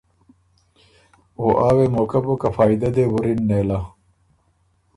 او آ وې موقع بُک که فائدۀ دې وُرِن نېله